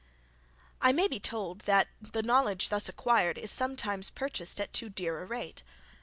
I may be told, that the knowledge thus acquired, is sometimes purchased at too dear a rate.